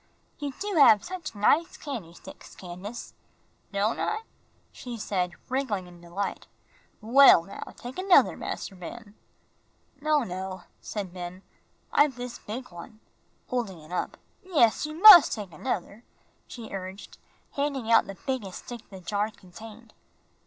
"You do have such nice candy sticks, Candace." "Don' I?" she said, wriggling in delight. "Well, now, take another, Mas'r Ben." "No, no," said Ben, "I've this big one," holding it up. "Yes, you mus' take another," she urged, handing out the biggest stick the jar contained.